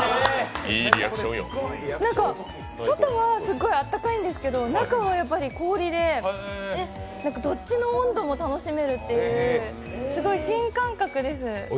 なんか外はすっごい温かいんですけど中は氷で、どっちの温度も楽しめるという、すごい新感覚です。